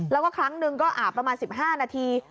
แล้วก็ครั้งหนึ่งก็อาบประมาณ๑๕นาที